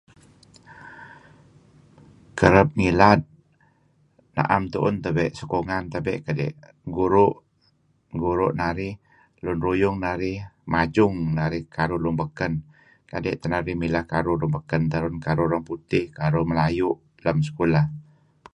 Kereb ngilad na'em tun teh sokongan tebe' kadi' guru' narih, lun ruyung narih majung narih karuh lun beken kadi' teh narih mileh karuh urang putih, karuh melayu' lem sekulah.